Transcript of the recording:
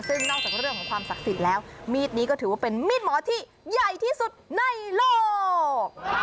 ซึ่งนอกจากเรื่องของความศักดิ์สิทธิ์แล้วมีดนี้ก็ถือว่าเป็นมีดหมอที่ใหญ่ที่สุดในโลก